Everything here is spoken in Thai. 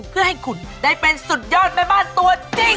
เพื่อให้คุณได้เป็นสุดยอดแม่บ้านตัวจริง